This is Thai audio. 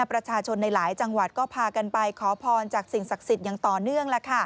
ประชาชนในหลายจังหวัดก็พากันไปขอพรจากสิ่งศักดิ์สิทธิ์อย่างต่อเนื่อง